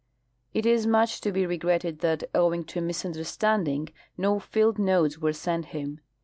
It is much to be regretted that, owing to a misunderstand ing, no field notes were sent him.